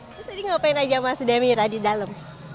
terus tadi ngapain aja mas demi radidhalem